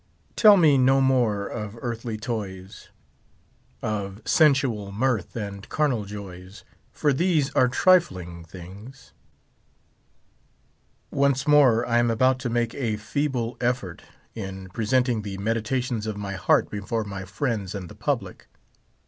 Tell me no more of earthly toys. Of sensual mirth and carnal joys, For these are trifling things Once more I am about to make a feeble effort, in pre senting the meditations of my heart before my friends and the public.